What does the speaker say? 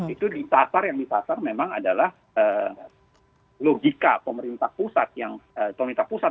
itu yang ditasar memang adalah logika pemerintah pusat